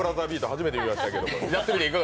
初めて見ましたけど。